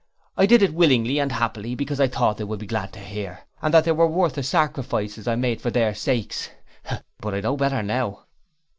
I did it willingly and happily, because I thought they would be glad to hear, and that they were worth the sacrifices I made for their sakes. But I know better now.'